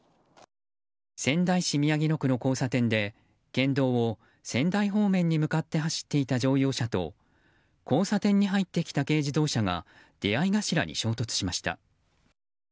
仙台市宮城野区の交差点で県道を仙台方面に向かって走っていた乗用車と交差点に入ってきた軽自動車が出合い頭に衝突しました。